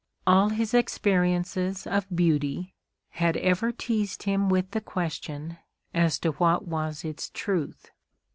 All his experiences of beauty had ever teased him with the question as to what was its truth.